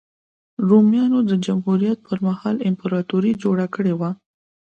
رومیانو د جمهوریت پرمهال امپراتوري جوړه کړې وه.